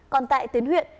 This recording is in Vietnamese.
còn tại tuyến huyện